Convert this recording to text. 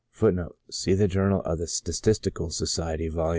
See the "Journal of the Statistical Society," vol.